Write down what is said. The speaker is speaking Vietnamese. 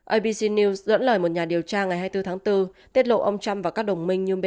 abg news dẫn lời một nhà điều tra ngày hai mươi bốn tháng bốn tiết lộ ông trump và các đồng minh như mỹ